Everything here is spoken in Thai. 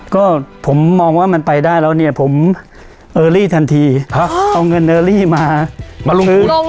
ก็ผมมองว่ามันไปได้แล้วเนี่ยผมเออรี่ทันทีเอาเงินเออรี่มามาลงทุน